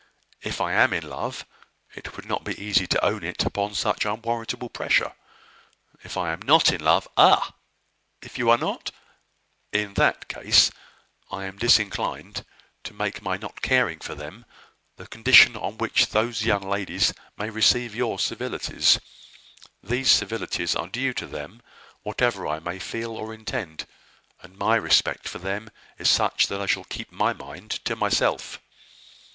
If I am in love, it would not be easy to own it upon such unwarrantable pressure. If I am not in love " "Ah! If you are not " "In that case I am disinclined to make my not caring for them the condition, on which those young ladies may receive your civilities. These civilities are due to them, whatever I may feel or intend; and my respect for them is such that I shall keep my mind to myself."